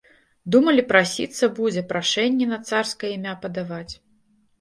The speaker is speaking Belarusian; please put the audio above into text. Думалі, прасіцца будзе, прашэнні на царскае імя падаваць.